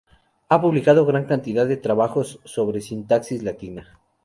Ha publicado gran cantidad de trabajos sobre sintaxis latina.